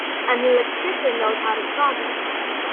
An electrician knows how to solder.